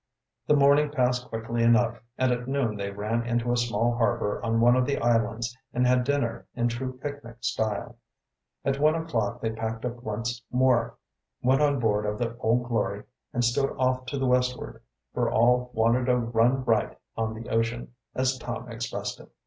The morning passed quickly enough, and at noon they ran into a small harbor on one of the islands and had dinner in true picnic style. At one o'clock they packed up once more, went on board of the Old Glory, and stood off to the westward, for all wanted a run "right on the ocean," as Tom expressed it.